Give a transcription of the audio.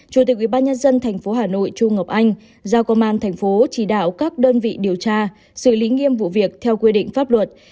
chủ tịch ubnd tp hà nội chu ngọc anh giao công an thành phố chỉ đạo các đơn vị điều tra xử lý nghiêm vụ việc theo quy định pháp luật